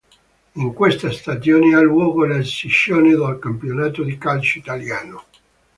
In questa stagione ha luogo la scissione del campionato di calcio italiano.